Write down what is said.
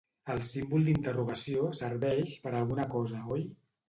El símbol d'interrogació serveix per alguna cosa oi?